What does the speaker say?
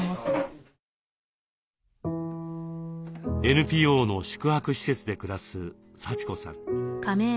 ＮＰＯの宿泊施設で暮らすさちこさん。